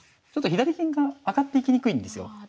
ちょっと左銀が上がっていきにくいんですよ。